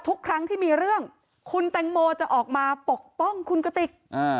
ทุกครั้งที่มีเรื่องคุณแตงโมจะออกมาปกป้องคุณกติก